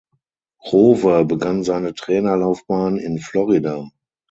Rowe begann seine Trainerlaufbahn in Florida.